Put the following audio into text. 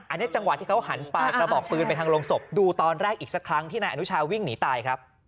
อันนี้จังหวะที่เขาหันปลากระบอกปืนไปทางโรงศพดูตอนแรกอีกสักครั้งที่นายอนุชาวิ่งหนีตายครับ